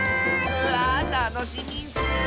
わあたのしみッス！